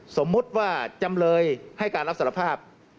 สมมุติว่าจำเลยให้การรับสารภาพ